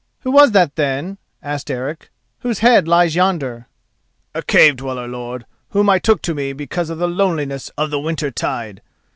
"Who was that, then," asked Eric, "whose head lies yonder?" "A cave dweller, lord, whom I took to me because of the lonesomeness of the winter tide.